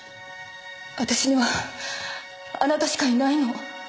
私にはあなたしかいないの。